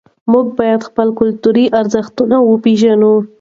موږ باید خپل کلتوري ارزښتونه وپېژنو.